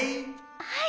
はい。